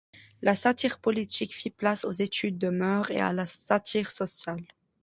La satire politique fit place aux études de mœurs et à la satire sociale.